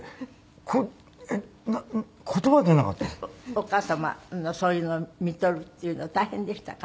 お母様のそういうのみとるっていうの大変でしたか？